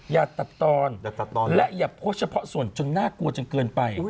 อย่าตัดตอนและอย่าโพสต์เฉพาะส่วนจนน่ากลัวจนเกินไป